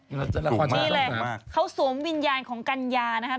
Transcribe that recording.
นี่แหละเขาสวมวิญญาณของกัญญานะครับ